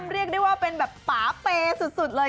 เรียกได้ว่าเป็นแบบป่าเปสุดเลย